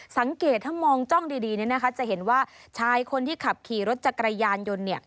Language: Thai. สังเกตถ้ามองจ้องดีจะเห็นว่าชายคนที่ขับขี่รถจักรยานยนต์